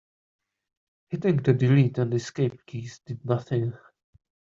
Hitting the delete and escape keys did nothing.